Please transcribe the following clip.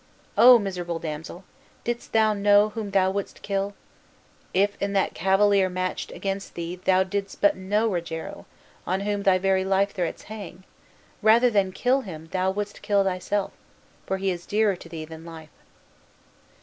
O miserable damsel! didst thou know whom thou wouldst kill, if, in that cavalier matched against thee thou didst but know Rogero, on whom thy very life threads hang, rather than kill him thou wouldst kill thyself, for he is dearer to thee than life.